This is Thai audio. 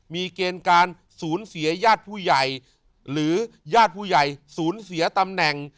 มีเกณฑ์การสูญเสียญาติผู้ใหญ่หรือญาติผู้ใหญ่ศูนย์เสียตำแหน่ง